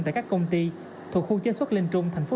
tại các công ty thuộc khu chế xuất linh trung tp thủ đức tp hcm